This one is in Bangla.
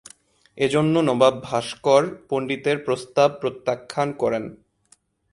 এজন্য নবাব ভাস্কর পণ্ডিতের প্রস্তাব প্রত্যাখ্যান করেন।